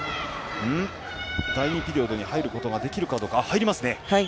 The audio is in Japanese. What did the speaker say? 第２ピリオドに入ることができるかどうか入りますね。